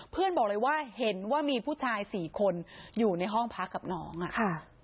บอกเลยว่าเห็นว่ามีผู้ชายสี่คนอยู่ในห้องพักกับน้องอ่ะค่ะ